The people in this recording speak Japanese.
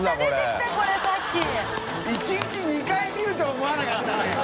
影↑臆見ると思わなかったね。